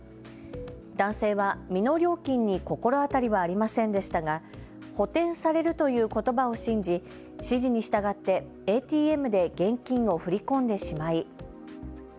男性は未納料金に心当たりはありませんでしたが補填されるということばを信じ指示に従ってＡＴＭで現金を振り込んでしまい。